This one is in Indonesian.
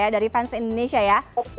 dari fans indonesia ya